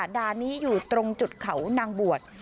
ด่านนี้อยู่ตรงจุดเขานางบวช